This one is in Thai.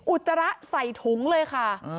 อุจจาระใส่ถุงเลยค่ะ